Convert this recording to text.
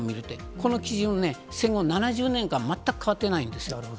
この基準を戦後７０年間、全く変わってないんですよ。